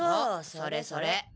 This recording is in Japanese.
それそれ！